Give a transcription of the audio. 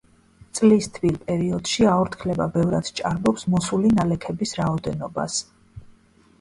წლის თბილ პერიოდში აორთქლება ბევრად სჭარბობს მოსული ნალექების რაოდენობას.